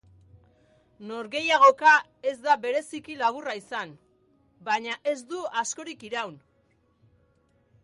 Norgehiagoka ez da bereziki laburra izan, baina ez du askorik iraun.